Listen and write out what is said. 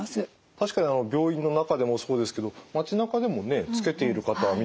確かに病院の中でもそうですけど町なかでもねつけている方は見たことがあります。